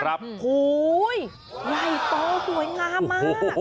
โอ้โหยายต่อสวยงามมาก